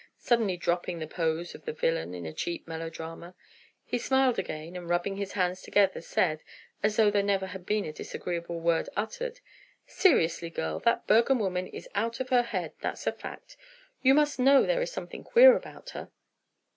Suddenly dropping the pose of the villain in a cheap melodrama, he smiled again and rubbing his hands together said, as though there never had been a disagreeable word uttered: "Seriously, girls, that Bergham woman is out of her head, that's a fact. You must know there is something queer about her."